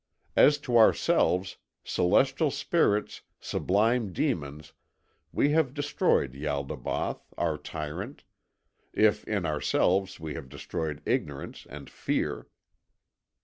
As to ourselves, celestial spirits, sublime demons, we have destroyed Ialdabaoth, our Tyrant, if in ourselves we have destroyed Ignorance and Fear."